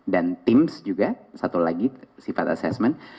dan tims juga satu lagi sifat assessment